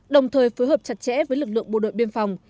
đồng thời phối hợp chặt chẽ với lực lượng bộ đội biên phòng